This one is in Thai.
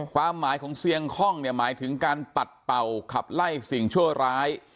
ความหมายของเสียงคล่องเนี่ยหมายถึงการปัดเป่าขับไล่สิ่งชั่วร้าย